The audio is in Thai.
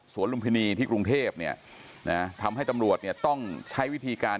ลุมพินีที่กรุงเทพเนี่ยนะทำให้ตำรวจเนี่ยต้องใช้วิธีการ